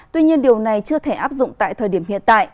tuy nhiên điều này chưa thể áp dụng tại thời điểm hiện tại